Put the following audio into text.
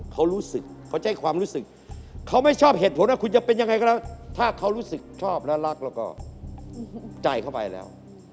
เขารู้สึกเขาใช้ความรู้สึกเขาไม่ชอบเหตุผลว่าคุณจะเป็นยังไงก็แล้วถ้าเขารู้สึกชอบและรักแล้วก็ใจเข้าไปแล้ว